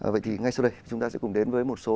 vậy thì ngay sau đây chúng ta sẽ cùng đến với một số